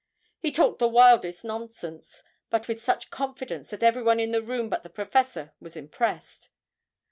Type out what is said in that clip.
He talked the wildest nonsense, but with such confidence that everyone in the room but the professor was impressed.